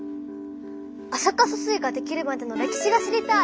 安積疏水ができるまでの歴史が知りたい！